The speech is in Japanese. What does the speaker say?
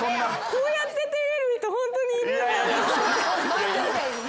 こうやって照れる人ホントにいるんだ。